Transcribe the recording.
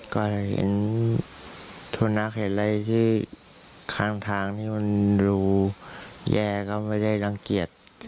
ก็ได้เห็นสุนัขเห็นอะไรที่ข้างทางที่มันดูแย่ก็ไม่ได้รังเกียจ